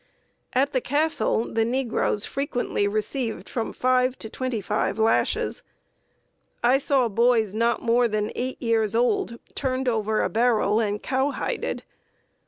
At the Castle the negroes frequently received from five to twenty five lashes. I saw boys not more than eight years old turned over a barrel and cowhided.